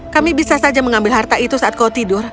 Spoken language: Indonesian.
kami bisa saja mengambil harta itu saat kau tidur